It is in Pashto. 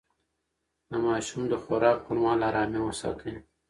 د ماشوم د خوراک پر مهال ارامي وساتئ.